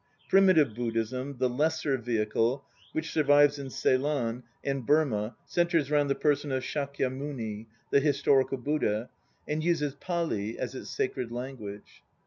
Primitive Buddhism (the "Lesser Vehicle"), which survives in Ceylon and Burma, centres round the person of Shakyamuni, the historical Buddha, and uses Pali as its sacred language.